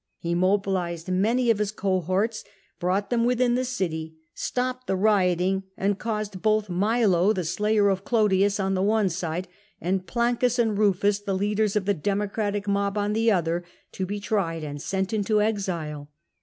He mobilised many of his cohorts, brought them within the city, stopped the rioting, and caused both Milo, the slayer of Clodius, on the one side, and Plancus and Eufus — the leaders of the Democratic mob — on the other, to be tried and sent into exile.